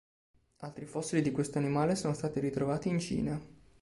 Altri fossili di questo animale sono stati ritrovati in Cina.